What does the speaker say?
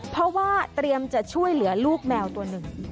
เพราะว่าเตรียมจะช่วยเหลือลูกแมวตัวหนึ่ง